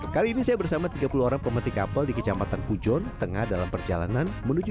kali ini saya bersama tiga puluh orang pemetik apel di kecamatan pujon tengah dalam perjalanan menuju